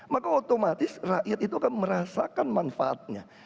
maka otomatis rakyat itu akan merasakan manfaatnya